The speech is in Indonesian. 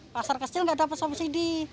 pasar kecil gak dapet subsidi